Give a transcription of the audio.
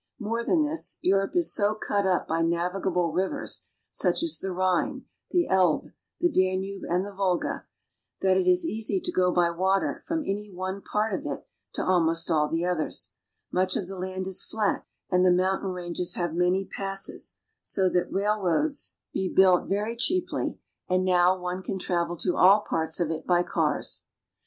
More than this, Europe is so cut up by navigable rivers, such as the Rhine, the Elbe, the Danube, and the Volga, that it is easy to go by water from any one part of it to almost all the others. Much of the land is flat and the mountain ranges have many passes, so that railroads could 12 ACROSS THE ATLANTIC TO EUROPE. be built very cheaply, and now one can travel to all parts of it by cars.